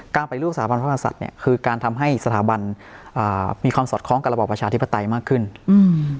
การปฏิรูปสถาบันภาษัทเนี่ยคือการทำให้สถาบันอ่ามีความสอดคล้องกับระบอกประชาธิปไตยมากขึ้นอืม